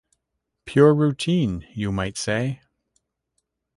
Pure routine, you might say.